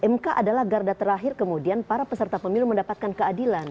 mk adalah garda terakhir kemudian para peserta pemilu mendapatkan keadilan